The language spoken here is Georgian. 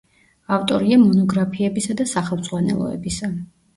ავტორია მონოგრაფიებისა და სახელმძღვანელოებისა.